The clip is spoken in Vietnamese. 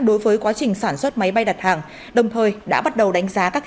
đối với quá trình sản xuất máy bay đặt hàng đồng thời đã bắt đầu đánh giá các